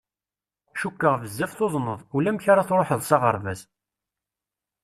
Cukkeɣ bezzaf tuḍneḍ, ulamek ara truḥeḍ s aɣerbaz.